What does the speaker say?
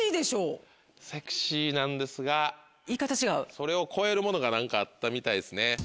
それを超えるものが何かあったみたいですね。